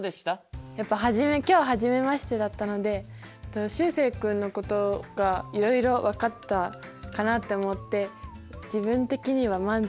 やっぱ今日初めましてだったのでしゅうせい君のことがいろいろ分かったかなって思って自分的には満足できたかなと思います。